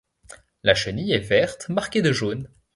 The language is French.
La chenille est verte marquée de jaune.